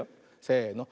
せの。